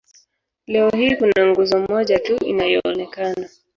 Leo hii kuna nguzo moja tu inayoonekana.